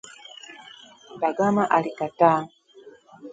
Dagama alikataa